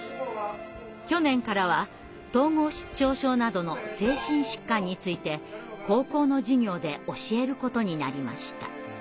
去年からは統合失調症などの精神疾患について高校の授業で教えることになりました。